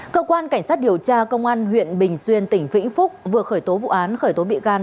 cơ quan cảnh sát điều tra công an huyện bình xuyên tỉnh vĩnh phúc vừa khởi tố vụ án khởi tố bị can